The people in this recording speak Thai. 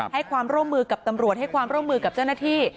ให้ความร่วมมือกับตำรวจให้ความร่วมมือกับเจ้าหน้าที่